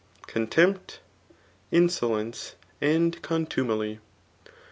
contempt, msolence and contumely.